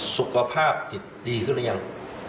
สุขภาพจิตดีขึ้นหรือยัง